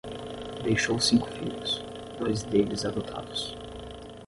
Deixou cinco filhos, dois deles adotados